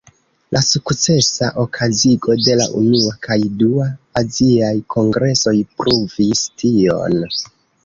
La sukcesa okazigo de la unua kaj dua aziaj kongresoj pruvis tion.